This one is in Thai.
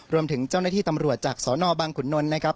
รวมถึงเจ้าหน้าที่ตำรวจจากสนบางขุนนลนะครับ